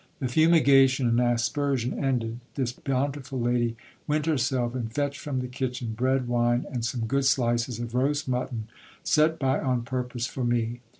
The fumigation and aspersion ended, tl.is bountiful lady went herself and fetched from the kitchen bread, wine, and seme good slices of roast mutton, set by on purpose for me.